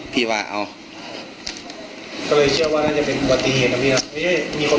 พี่ว่าเอาก็เลยเชื่อว่าน่าจะเป็นอุบัติเหตุนะพี่ครับ